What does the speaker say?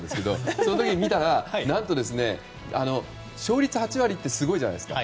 その時に見たら、勝率８割ってすごいじゃないですか。